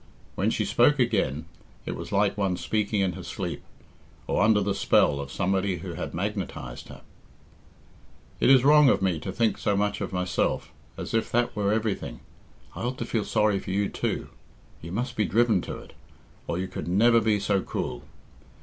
When she spoke again, it was like one speaking in her sleep, or under the spell of somebody who had magnetised her. "It is wrong of me to think so much of myself, as if that were everything. I ought to feel sorry for you too. You must be driven to it, or you could never be so cruel."